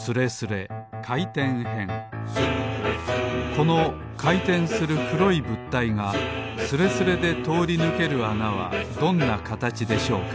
このかいてんするくろいぶったいがスレスレでとおりぬけるあなはどんなかたちでしょうか？